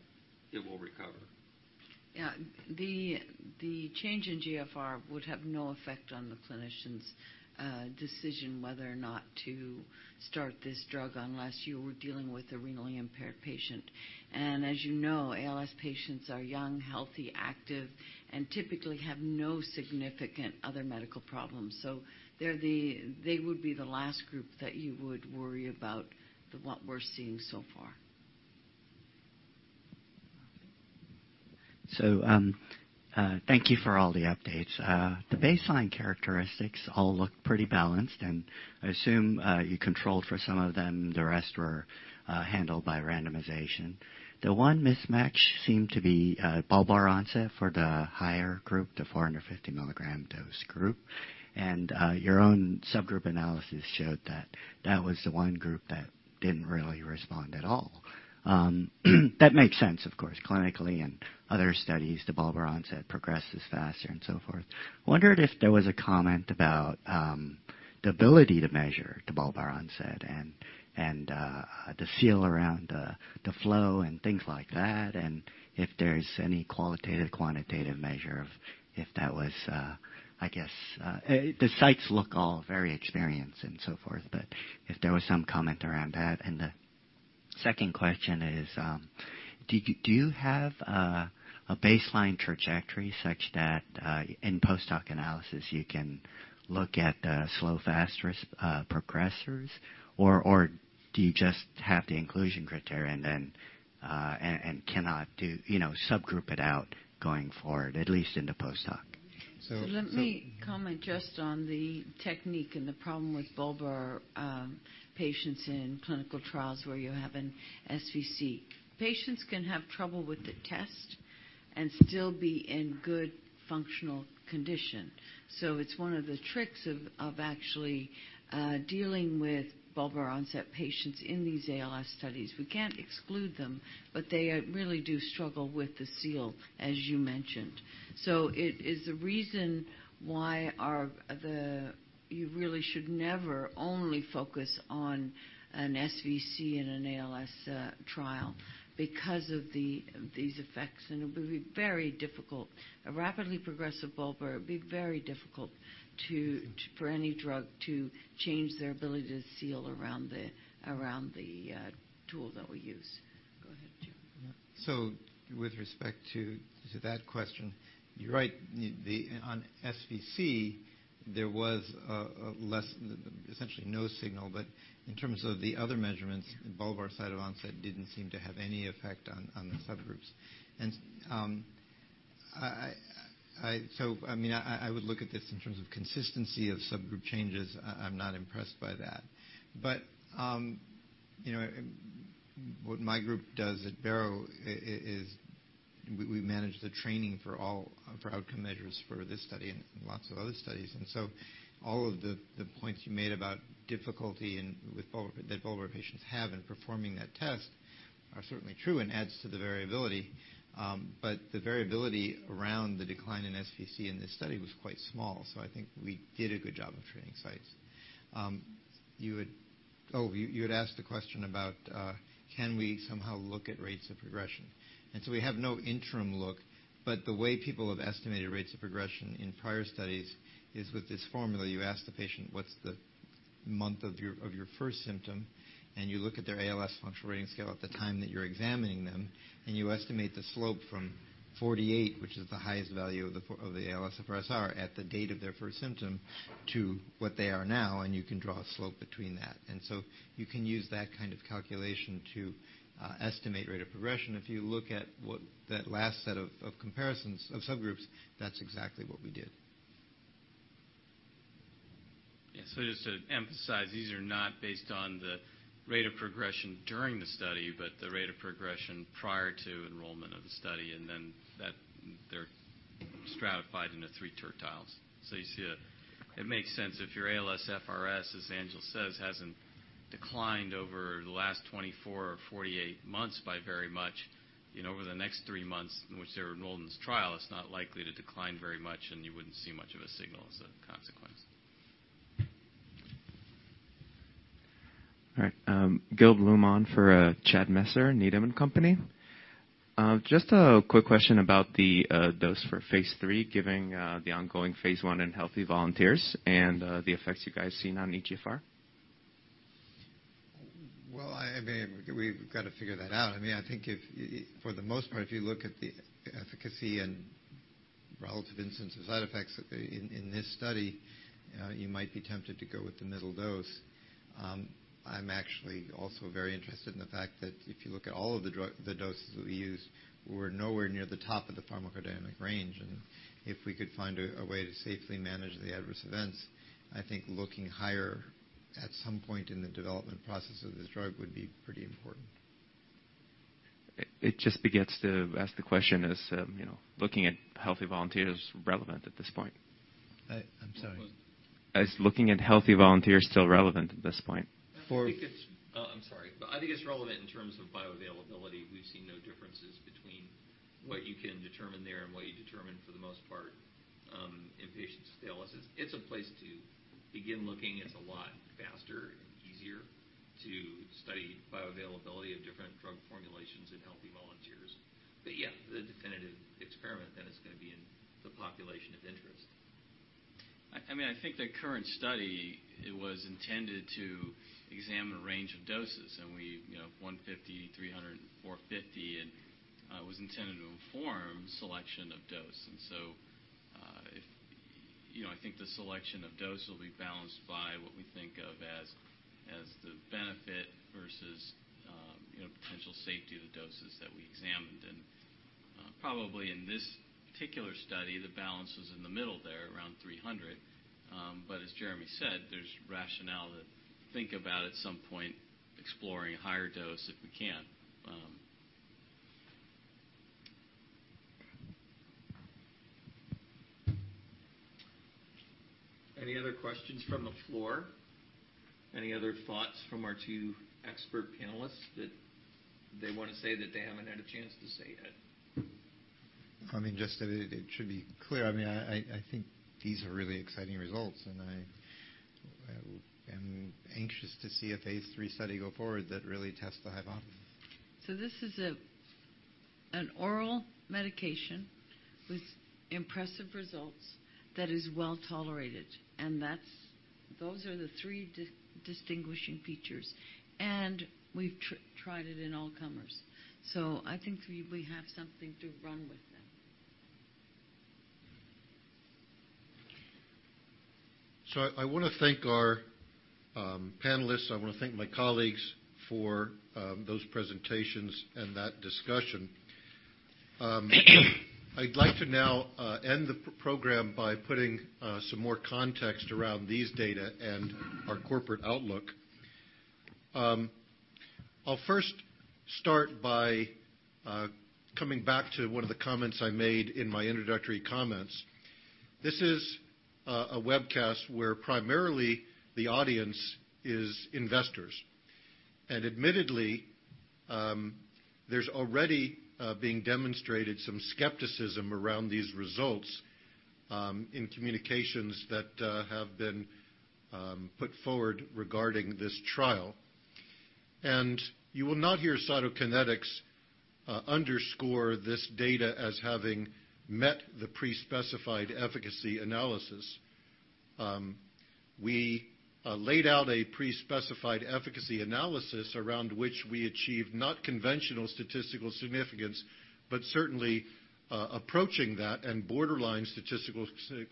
it will recover. Yeah. The change in GFR would have no effect on the clinician's decision whether or not to start this drug unless you were dealing with a renally impaired patient. As you know, ALS patients are young, healthy, active, and typically have no significant other medical problems. They would be the last group that you would worry about what we're seeing so far. Thank you for all the updates. The baseline characteristics all look pretty balanced, and I assume you controlled for some of them, the rest were handled by randomization. The one mismatch seemed to be bulbar onset for the higher group, the 450 milligram dose group. Your own subgroup analysis showed that that was the one group that didn't really respond at all. That makes sense, of course, clinically and other studies, the bulbar onset progresses faster and so forth. I wondered if there was a comment about the ability to measure the bulbar onset and the seal around the flow and things like that, and if there's any qualitative, quantitative measure of if that was. The sites look all very experienced and so forth, if there was some comment around that. The second question is, do you have a baseline trajectory such that in post-hoc analysis you can look at the slow, fast progressors? Do you just have the inclusion criteria and cannot subgroup it out going forward, at least in the post-hoc? So- Let me comment just on the technique and the problem with bulbar patients in clinical trials where you have an SVC. Patients can have trouble with the test and still be in good functional condition. It's one of the tricks of actually dealing with bulbar onset patients in these ALS studies. We can't exclude them, they really do struggle with the seal, as you mentioned. It is the reason why you really should never only focus on an SVC in an ALS trial because of these effects. It would be very difficult, a rapidly progressive bulbar, it would be very difficult for any drug to change their ability to seal around the tool that we use. Go ahead, Jim. With respect to that question, you're right. On SVC, there was essentially no signal. In terms of the other measurements, the bulbar site of onset didn't seem to have any effect on the subgroups. I would look at this in terms of consistency of subgroup changes. I'm not impressed by that. What my group does at Barrow is we manage the training for outcome measures for this study and lots of other studies. All of the points you made about difficulty that bulbar patients have in performing that test are certainly true and adds to the variability. The variability around the decline in SVC in this study was quite small. I think we did a good job of training sites. You had asked the question about can we somehow look at rates of progression. We have no interim look, the way people have estimated rates of progression in prior studies is with this formula. You ask the patient what's the month of your first symptom, and you look at their ALS Functional Rating Scale at the time that you're examining them, and you estimate the slope from 48, which is the highest value of the ALSFRS-R at the date of their first symptom to what they are now, and you can draw a slope between that. You can use that kind of calculation to estimate rate of progression. If you look at that last set of comparisons of subgroups, that's exactly what we did. Just to emphasize, these are not based on the rate of progression during the study, the rate of progression prior to enrollment of the study, and then they're Stratified into 3 tertiles. You see it makes sense if your ALSFRS, as Angela says, hasn't declined over the last 24 or 48 months by very much, over the next three months in which they're enrolled in this trial, it's not likely to decline very much, and you wouldn't see much of a signal as a consequence. All right. Gil Blum for Chad Messer, Needham & Company. Just a quick question about the dose for phase III, given the ongoing phase I in healthy volunteers and the effects you guys seen on eGFR. Well, we've got to figure that out. I think for the most part, if you look at the efficacy and relative instance of side effects in this study, you might be tempted to go with the middle dose. I'm actually also very interested in the fact that if you look at all of the doses that we use, we're nowhere near the top of the pharmacodynamic range. If we could find a way to safely manage the adverse events, I think looking higher at some point in the development process of this drug would be pretty important. It just begets to ask the question, is looking at healthy volunteers relevant at this point? I'm sorry. Is looking at healthy volunteers still relevant at this point? I'm sorry. I think it's relevant in terms of bioavailability. We've seen no differences between what you can determine there and what you determine for the most part in patients with dialysis. It's a place to begin looking. It's a lot faster and easier to study bioavailability of different drug formulations in healthy volunteers. Yeah, the definitive experiment then is going to be in the population of interest. I think the current study was intended to examine a range of doses, 150, 300, and 450. It was intended to inform selection of dose. I think the selection of dose will be balanced by what we think of as the benefit versus potential safety of the doses that we examined. Probably in this particular study, the balance was in the middle there around 300. As Jeremy said, there's rationale to think about, at some point, exploring a higher dose if we can. Any other questions from the floor? Any other thoughts from our two expert panelists that they want to say that they haven't had a chance to say yet? Just that it should be clear, I think these are really exciting results. I am anxious to see a phase III study go forward that really tests the hypothesis. This is an oral medication with impressive results that is well-tolerated, and those are the three distinguishing features. We've tried it in all comers. I think we have something to run with now. I want to thank our panelists. I want to thank my colleagues for those presentations and that discussion. I'd like to now end the program by putting some more context around these data and our corporate outlook. I'll first start by coming back to one of the comments I made in my introductory comments. This is a webcast where primarily the audience is investors. Admittedly, there's already being demonstrated some skepticism around these results in communications that have been put forward regarding this trial. You will not hear Cytokinetics underscore this data as having met the pre-specified efficacy analysis. We laid out a pre-specified efficacy analysis around which we achieved not conventional statistical significance, but certainly approaching that and borderline statistical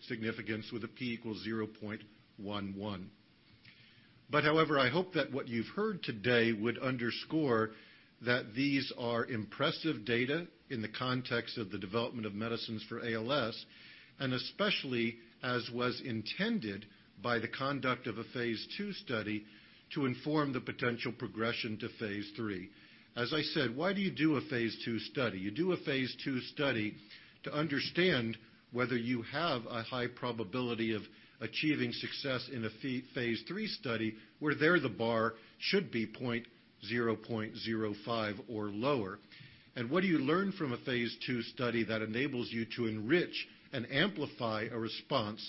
significance with a P equals 0.11. However, I hope that what you've heard today would underscore that these are impressive data in the context of the development of medicines for ALS, and especially as was intended by the conduct of a phase II study to inform the potential progression to phase III. As I said, why do you do a phase II study? You do a phase II study to understand whether you have a high probability of achieving success in a phase III study, where there the bar should be 0.05 or lower. What do you learn from a phase II study that enables you to enrich and amplify a response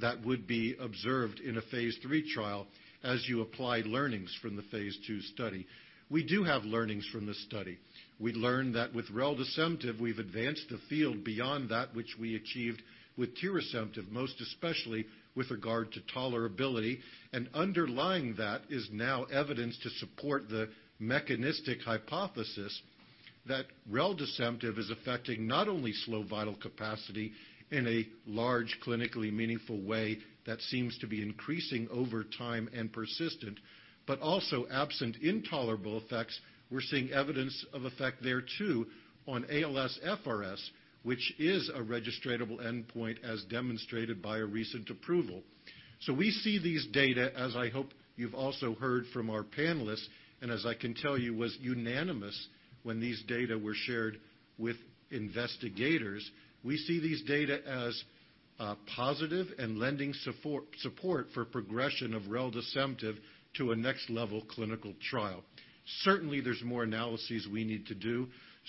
that would be observed in a phase III trial as you apply learnings from the phase II study? We do have learnings from this study. We learned that with reldesemtiv, we've advanced the field beyond that which we achieved with tirasemtiv, most especially with regard to tolerability. Underlying that is now evidence to support the mechanistic hypothesis that reldesemtiv is affecting not only slow vital capacity in a large clinically meaningful way that seems to be increasing over time and persistent, but also absent intolerable effects. We're seeing evidence of effect there too on ALSFRS, which is a registratable endpoint as demonstrated by a recent approval. We see these data as I hope you've also heard from our panelists, and as I can tell you, was unanimous when these data were shared with investigators. We see these data as positive and lending support for progression of reldesemtiv to a next-level clinical trial. Certainly, there's more analyses we need to do.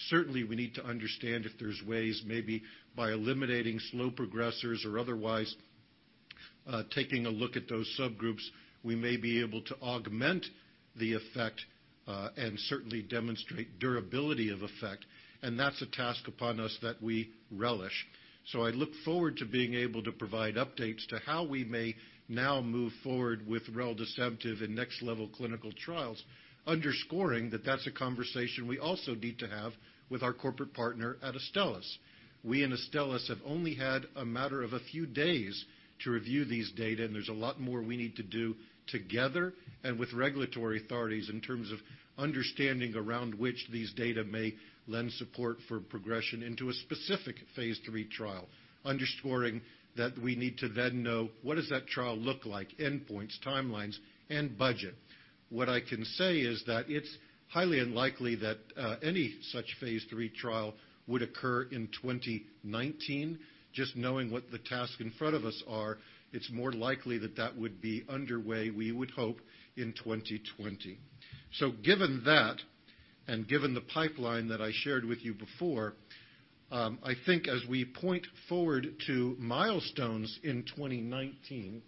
Certainly, we need to understand if there's ways maybe by eliminating slow progressers or otherwise, taking a look at those subgroups, we may be able to augment the effect, and certainly demonstrate durability of effect, and that's a task upon us that we relish. I look forward to being able to provide updates to how we may now move forward with reldesemtiv in next-level clinical trials, underscoring that that's a conversation we also need to have with our corporate partner at Astellas. We and Astellas have only had a matter of a few days to review these data, and there's a lot more we need to do together and with regulatory authorities in terms of understanding around which these data may lend support for progression into a specific phase III trial. Underscoring that we need to then know what does that trial look like, endpoints, timelines, and budget. What I can say is that it's highly unlikely that any such phase III trial would occur in 2019. Just knowing what the task in front of us are, it's more likely that that would be underway, we would hope, in 2020. Given that, and given the pipeline that I shared with you before, I think as we point forward to milestones in 2019.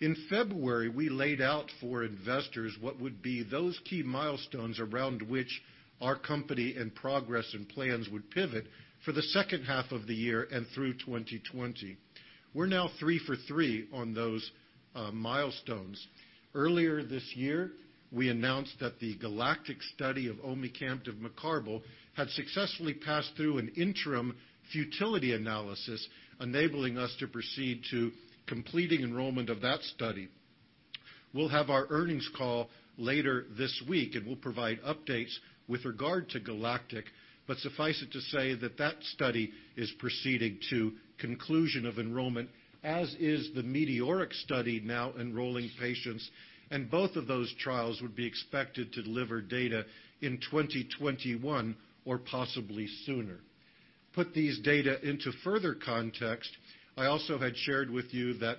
In February, we laid out for investors what would be those key milestones around which our company and progress and plans would pivot for the second half of the year and through 2020. We're now three for three on those milestones. Earlier this year, we announced that the GALACTIC study of omecamtiv mecarbil had successfully passed through an interim futility analysis, enabling us to proceed to completing enrollment of that study. We'll have our earnings call later this week, and we'll provide updates with regard to GALACTIC, but suffice it to say that that study is proceeding to conclusion of enrollment, as is the METEORIC study now enrolling patients, and both of those trials would be expected to deliver data in 2021 or possibly sooner. Put these data into further context, I also had shared with you that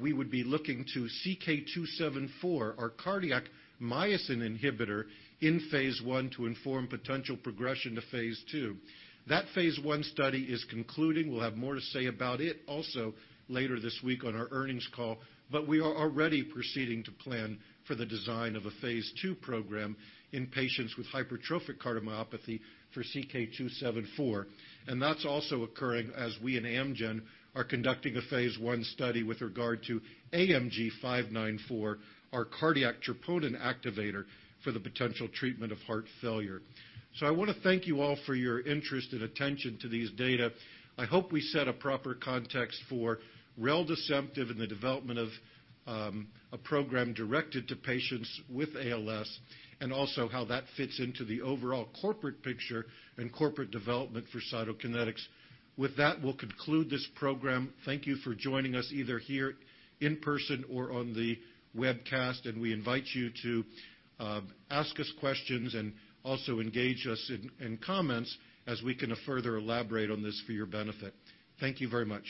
we would be looking to CK 274, our cardiac myosin inhibitor in phase I to inform potential progression to phase II. That phase I study is concluding. We'll have more to say about it also later this week on our earnings call, but we are already proceeding to plan for the design of a phase II program in patients with hypertrophic cardiomyopathy for CK 274. That's also occurring as we and Amgen are conducting a phase I study with regard to AMG 594, our cardiac troponin activator for the potential treatment of heart failure. I want to thank you all for your interest and attention to these data. I hope we set a proper context for reldesemtiv and the development of a program directed to patients with ALS, and also how that fits into the overall corporate picture and corporate development for Cytokinetics. With that, we'll conclude this program. Thank you for joining us either here in person or on the webcast. We invite you to ask us questions and also engage us in comments as we can further elaborate on this for your benefit. Thank you very much.